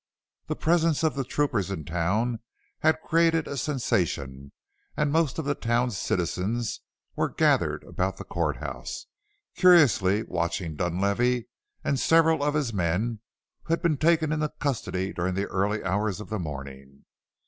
The presence of the troopers in town had created a sensation and most of the town's citizens were gathered about the court house, curiously watching Dunlavey and several of his men who had been taken into custody during the early hours of the morning.